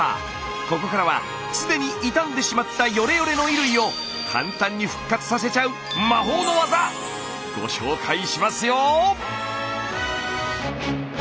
ここからは既に傷んでしまったよれよれの衣類を簡単に復活させちゃうご紹介しますよ！